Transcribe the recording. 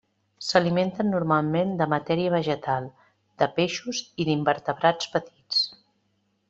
S'alimenten normalment de matèria vegetal, de peixos i d'invertebrats petits.